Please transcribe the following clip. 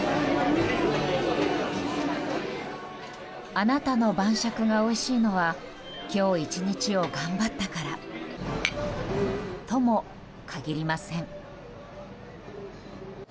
あなたの晩酌がおいしいのは今日１日を頑張ったからとも限りません。